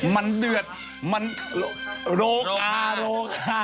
มันเดือดมันโรคาโรคา